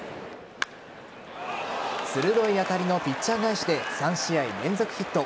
鋭い当たりのピッチャー返しで３試合連続ヒット。